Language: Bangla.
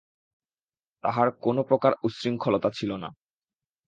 তাঁহার কোনোপ্রকার উচ্ছৃঙ্খলতা ছিল না।